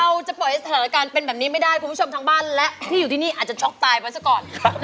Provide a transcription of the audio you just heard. เราจะปล่อยสถานการณ์เป็นแบบนี้ไม่ได้คุณผู้ชมทั้งบ้านและที่อยู่ที่นี่อาจจะช็อกตายไปซะก่อน